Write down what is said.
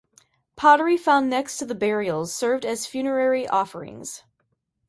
Pottery found next to the burials served as funerary offerings.